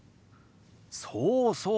そうそう。